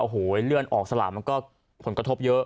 โอ้โหนเรื่อนออกสลากผลกระทบเยอะ